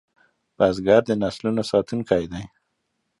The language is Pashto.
بزګر د نسلونو ساتونکی دی